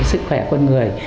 sức khỏe con người